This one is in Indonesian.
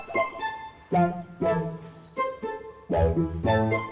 siap student ini brutal nggak